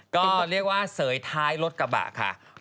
ก็เรียกว่าเสยท้ายรถกระบะค่ะ